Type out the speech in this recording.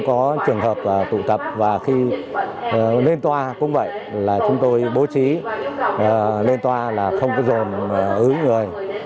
có trường hợp tụ tập và khi lên toa cũng vậy là chúng tôi bố trí lên toa là không có dồn ứ người